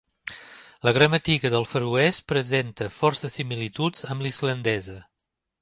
La gramàtica del feroès present força similituds amb la islandesa.